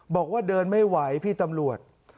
บอกว่าเดินไม่ไหวพี่ตำรวจ